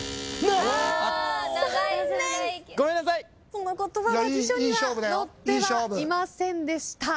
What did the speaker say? この言葉は辞書には載ってはいませんでした。